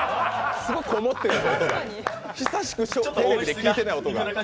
すごくこもってる。